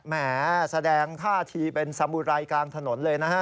แหมแสดงท่าทีเป็นสมุไรกลางถนนเลยนะฮะ